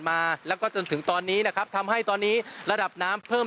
มาแล้วก็จนถึงตอนนี้นะครับทำให้ตอนนี้ระดับน้ำเพิ่ม